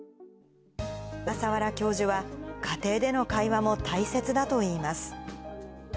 小笠原教授は、家庭での会話も大切だといいます。